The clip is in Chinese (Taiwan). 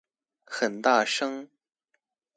很大聲